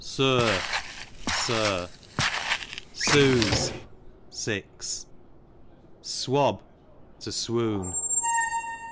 Sur, sir. Suse, six. Swab, to swoon.